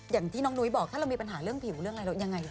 อย่างที่น้องนุ้ยบอกถ้าเรามีปัญหาเรื่องผิวเรื่องอะไรยังไง